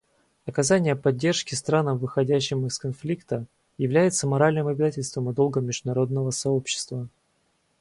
Оказание поддержки странам, выходящим из конфликта, является моральным обязательством и долгом международного сообщества.